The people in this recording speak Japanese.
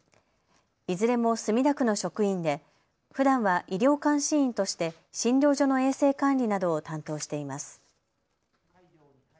いずれも墨田区の職員でふだんは医療監視員として診療所の衛生管理などを担当しています。